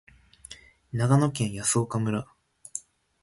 長野県泰阜村